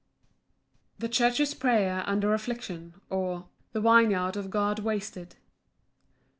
The church's prayer under affliction; or, The vineyard of God wasted.